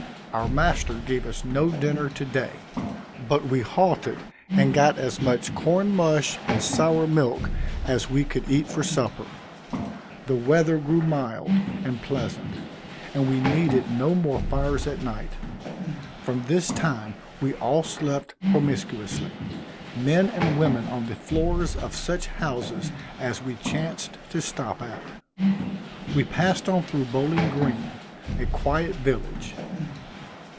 Our master gave us no dinner to day, but we halted and got as much corn mush and sour milk as we could eat for supper. The weather grew mild and pleasant, and we needed no more fires at night. From this time we all slept promiscuously, men and women on the floors of such houses as we chanced to stop at. We passed on through Bowling Green, a quiet village.